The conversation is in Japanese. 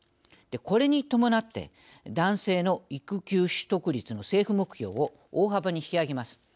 これに伴って男性の育休取得率の政府目標を大幅に引き上げます。